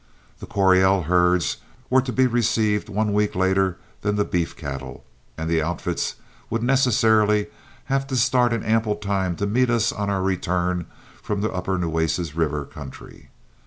The Coryell herds were to be received one week later than the beef cattle, and the outfits would necessarily have to start in ample time to meet us on our return from the upper Nueces River country.